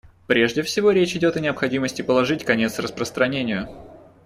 Прежде всего речь идет о необходимости положить конец распространению.